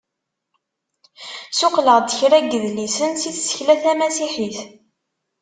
Suqleɣ-d kra n yidlisen si tsekla tamasiḥit.